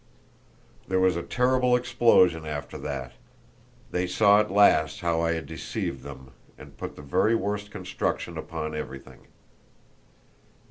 There was a terrible explosion after that; they saw at last how I had deceived them, and put the very worst construction upon everything.